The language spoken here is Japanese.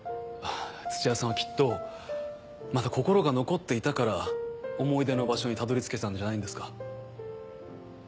土屋さんはきっとまだ心が残っていたから思い出の場所にたどり着けたんじゃないですか？